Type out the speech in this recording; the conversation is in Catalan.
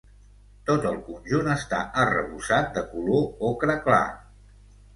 Tot el conjunt està arrebossat de color ocre clar.